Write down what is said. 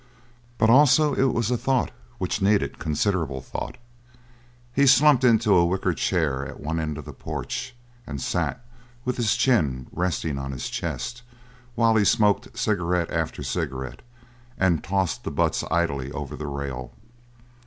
But also it was a thought which needed considerable thought. He slumped into a wicker chair at one end of the porch and sat with his chin resting on his chest while he smoked cigarette after cigarette and tossed the butts idly over the rail.